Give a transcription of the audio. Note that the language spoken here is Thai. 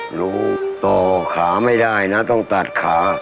หนูต่อขาไม่ได้นะต้องตัดขา